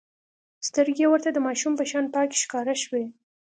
سترګې يې ورته د ماشوم په شان پاکې ښکاره شوې.